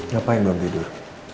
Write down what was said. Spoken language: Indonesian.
ngapain belum tidur